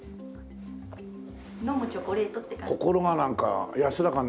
飲むチョコレートって感じ。